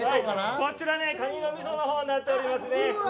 こちら、かにのみそのほうになっております。